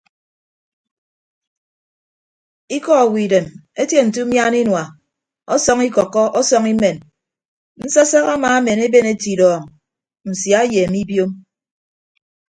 Ikọ owo idem etie nte umiana inua ọsọñ ikọkkọ ọsọñ imen nsasak amaamen eben etidọọñ nsia eyeeme ibiom.